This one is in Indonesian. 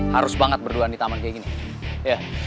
harus banget berdua di taman kayak gini iya